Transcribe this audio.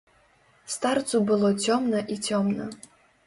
Старцу было цёмна і цёмна.